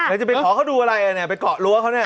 จะไปขอเขาดูอะไรเนี่ยไปเกาะรั้วเขาเนี่ย